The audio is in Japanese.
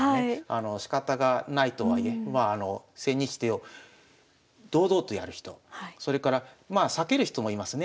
しかたがないとはいえ千日手を堂々とやる人それからまあ避ける人もいますね。